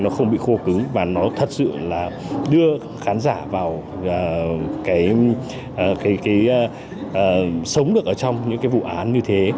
nó không bị khô cứng và nó thật sự đưa khán giả sống được trong những vụ án như thế